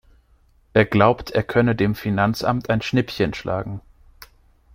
Er glaubt, er könne dem Finanzamt ein Schnippchen schlagen.